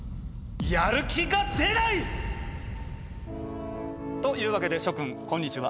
やる気が出ないっ⁉というわけで諸君こんにちは。